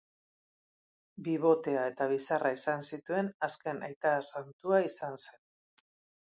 Bibotea eta bizarra izan zituen azken aita santua izan zen.